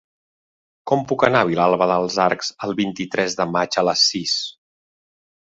Com puc anar a Vilalba dels Arcs el vint-i-tres de maig a les sis?